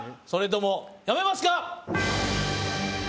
それとも、やめますか？